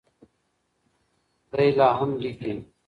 دی لا هم لیکي.